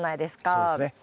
そうですね。